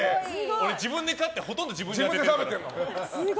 俺、自分で勝ってほとんど自分に当ててる。